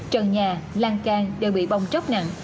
trần nhà lan can đều bị bong tróc nặng